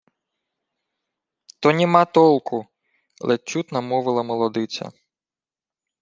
— То нєма толку, — ледь чутно мовила молодиця.